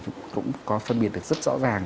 chúng cũng có phân biệt được rất rõ ràng